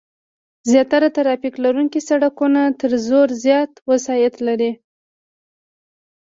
زیات ترافیک لرونکي سرکونه تر زرو زیات وسایط لري